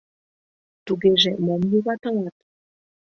Тугеже мом юватылат?